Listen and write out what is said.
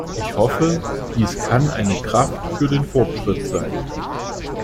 Ich hoffe, dies kann eine Kraft für den Fortschritt sein.